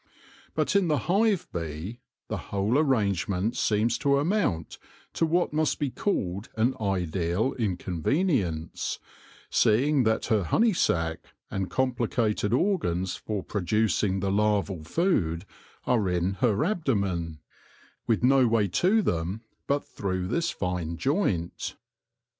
But in the hive bee the whole arrangement seems to amount to what must be called an ideal inconvenience, seeing that her honey sac and complicated organs for producing the larval food are in her abdomen, with no way to them but through this fine joint.